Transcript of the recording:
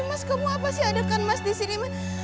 mas kamu apa sih adegan di sini